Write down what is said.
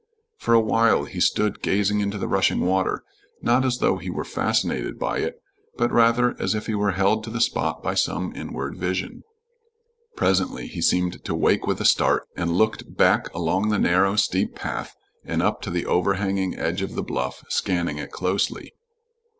For a while he stood gazing into the rushing water, not as though he were fascinated by it, but rather as if he were held to the spot by some inward vision. Presently he seemed to wake with a start and looked back along the narrow, steep path, and up to the overhanging edge of the bluff, scanning it closely.